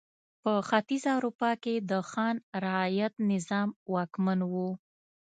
په ختیځه اروپا کې د خان رعیت نظام واکمن و.